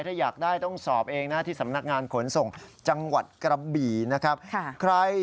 ถ้าอยากได้ต้องสอบเองนะที่สำนักงานขนส่งจังหวัดกระบี่นะครับ